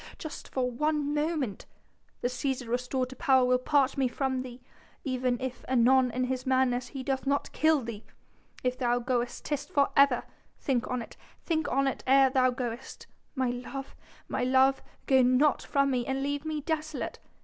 just for one moment ... the Cæsar restored to power will part me from thee ... even if anon in his madness he doth not kill thee. If thou goest 'tis for ever.... Think on it ... think on it ere thou goest.... My love ... my love, go not from me, and leave me desolate....